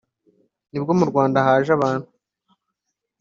ni bwo mu rwanda haje abantu